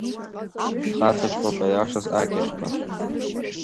Дхаҵаҵәҟьоуп аиашаз Акьахьба.